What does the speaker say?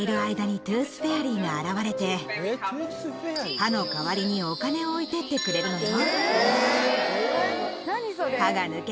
歯のかわりにお金を置いてってくれるのよ